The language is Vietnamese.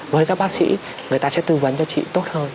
với các bác sĩ người ta sẽ tư vấn cho chị tốt hơn